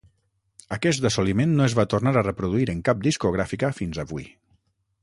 Aquest assoliment no es va tornar a reproduir en cap discogràfica fins avui.